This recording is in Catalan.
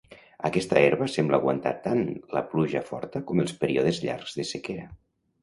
Aquesta herba sembla aguantar tant la pluja forta com els períodes llargs de sequera.